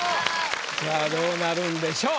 さあどうなるんでしょう？